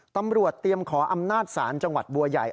ตำรวจเตรียมขออำนาจศาลจังหวัดบัวใหญ่